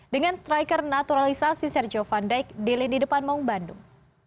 dengan striker naturalisasi sergio van dijk di lini depan maung bandung